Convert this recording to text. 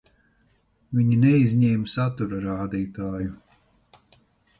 Viņi neizņēma satura rādītāju.